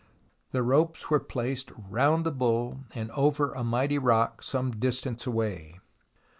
The ropes were placed round the bull, and over a mighty rock some distance away.